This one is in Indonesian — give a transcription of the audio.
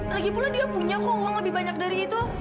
lagipula dia punya kok uang lebih banyak dari itu